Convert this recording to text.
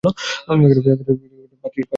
আচ্ছা, কীভাবে সে হত্যা করলো?